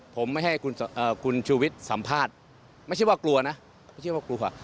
ผมไม่ให้คุณชูวิทย์สัมภาษณ์ไม่ใช่ว่ากลัวนะไม่ใช่ว่ากลัว